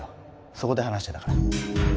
そこで話してたから